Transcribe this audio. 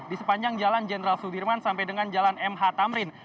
di sepanjang jalan jenderal sudirman sampai dengan jalan mh tamrin